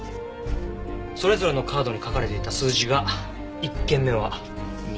それぞれのカードに書かれていた数字が１件目は２。